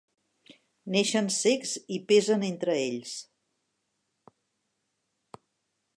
Neixen cecs i pesen entre ells.